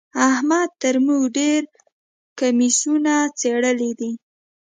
احمد تر موږ ډېر کميسونه څيرلي دي.